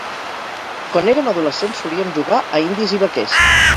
Quan érem adolescents solíem jugar a indis i vaquers.